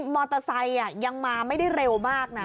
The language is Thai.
มอเตอร์ไซค์ยังมาไม่ได้เร็วมากนะ